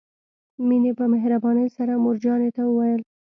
مينې په مهربانۍ سره مور جانې ته وويل.